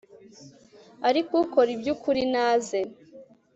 ariko ukora ibyukuri naze